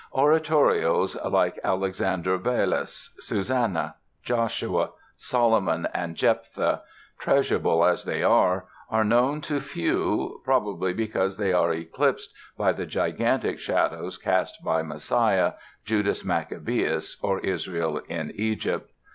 Oratorios like "Alexander Balus", "Susanna", "Joshua", "Solomon" and "Jephtha", treasurable as they are, are known to few, probably because they are eclipsed by the gigantic shadows cast by "Messiah", "Judas Maccabaeus" or "Israel in Egypt."